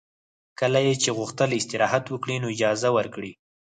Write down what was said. کله یې چې غوښتل استراحت وکړي نو اجازه ورکړئ